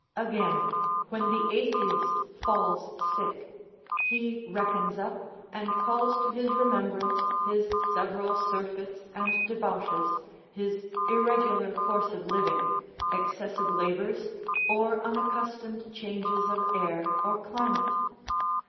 Again, when the atheist falls sick, he reckons up and calls to his remembrance his several surfeits and debauches, his irregular course of living, excessive labors, or unaccustomed clianges of air or climate.